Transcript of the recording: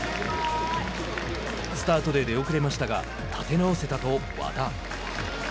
スタートで出遅れましたが立て直せたと和田。